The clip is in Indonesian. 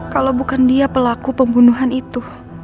kalau bukan dia pelaku pembunuhan itu